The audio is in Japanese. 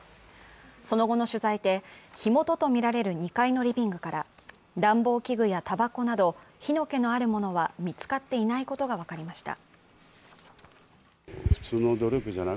その後の取材で、火元とみられる２階のリビングから暖房器具やたばこなど火の気のあるものは見つかっていないことが分かりました。